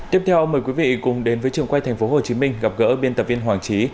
tiếp theo mời quý vị cùng đến với trường quay tp hcm gặp gỡ biên tập viên hoàng trí